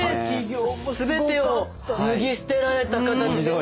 全てを脱ぎ捨てられた形でね。